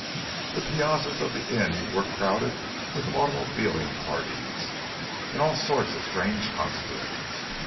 The piazzas of the inn were crowded with automobiling parties, in all sorts of strange costumes.